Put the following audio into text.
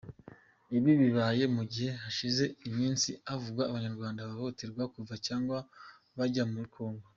Ibi bibaye mu gihe hashize iminsi havugwa Abanyarwanda bahohoterwa bava cyangwa bajya muri Congo.